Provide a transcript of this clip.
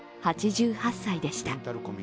８８歳でした。